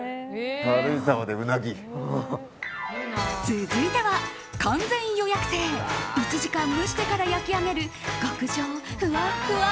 続いては、完全予約制１時間蒸してから焼き上げる極上ふわっふわ